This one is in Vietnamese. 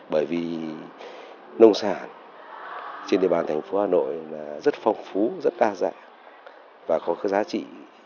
bởi vì nông sản trên địa bàn thành phố hà nội rất phong phú rất đa dạng và có cái giá trị